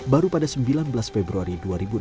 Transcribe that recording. baru pada sembilan belas februari dua ribu enam belas